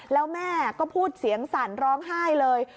แล้วแม่ก็พูดเสียงสั่นร้องไห้เลย